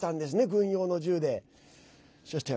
軍用の銃で。